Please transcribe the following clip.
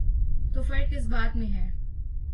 تو فرق کس بات میں ہے؟